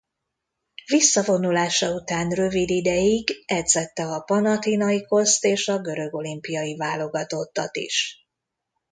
Visszavonulása után rövid ideig edzette a Panathinaikószt és a görög olimpiai válogatottat is.